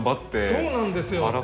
そうなんですよ。